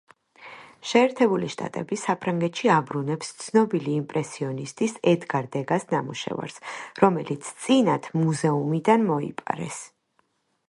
შეერთებული შტატები საფრანგეთში აბრუნებს ცნობილი იმპრესიონისტის ედგარ დეგას ნამუშევარს, რომელიც წინათ მუზეუმიდან მოიპარეს.